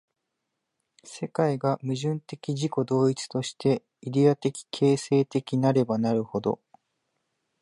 世界が矛盾的自己同一として、イデヤ的形成的なればなるほど、